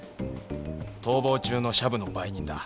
逃亡中のシャブの売人だ。